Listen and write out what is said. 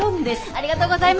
ありがとうございます！